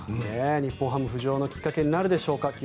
日本ハム浮上のきっかけになるでしょうか。